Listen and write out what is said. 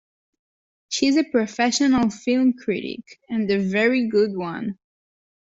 She's a professional film critic, and a very good one.